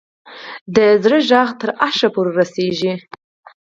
دا د زړه غږ تر عرشه پورې رسوي